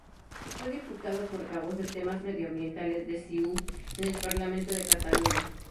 Fue diputado portavoz de temas medioambientales de CiU en el Parlamento de Cataluña.